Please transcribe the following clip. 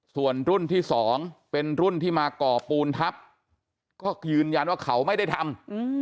ส่วนรุ่นที่สองเป็นรุ่นที่มาก่อปูนทัพก็ยืนยันว่าเขาไม่ได้ทำ